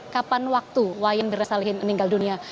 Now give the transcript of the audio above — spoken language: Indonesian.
kapan waktu wayan mirna salihin meninggal dunia